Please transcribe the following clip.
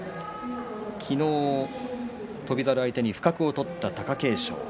昨日、翔猿相手に不覚を取った貴景勝。